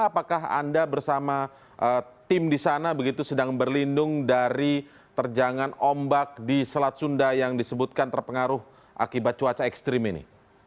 apakah anda bersama tim di sana begitu sedang berlindung dari terjangan ombak di selat sunda yang disebutkan terpengaruh akibat cuaca ekstrim ini